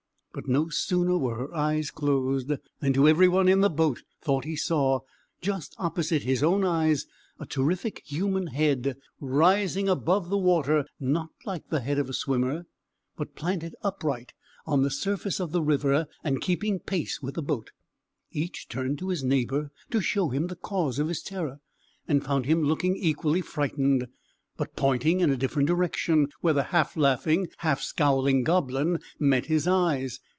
But no sooner were her eyes closed, than everyone in the boat thought he saw, just opposite his own eyes, a terrific human head rising above the water; not like the head of a swimmer, but planted upright on the surface of the river, and keeping pace with the boat. Each turned to his neighbour to show him the cause of his terror, and found him looking equally frightened, but pointing in a different direction, where the half laughing, half scowling goblin met his eyes.